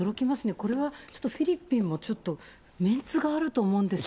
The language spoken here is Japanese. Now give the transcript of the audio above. これは、ちょっとフィリピンもメンツがあると思うんですよね。